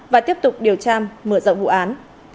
và tiếp tục điều tra mở rộng vụ án